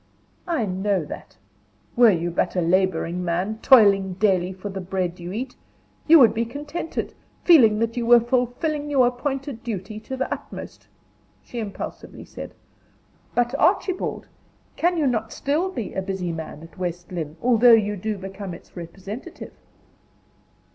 "I know that; were you but a laboring man, toiling daily for the bread you eat, you would be contented, feeling that you were fulfilling your appointed duty to the utmost," she impulsively said; "but, Archibald, can you not still be a busy man at West Lynne, although you do become its representative?"